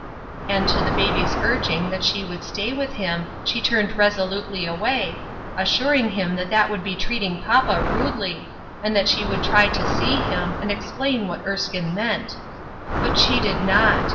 And to the baby's urging that she would stay with him, she turned resolutely away, assuring him that that would be treating papa rudely, and that she would try to see him, and explain what Erskine meant. But she did not.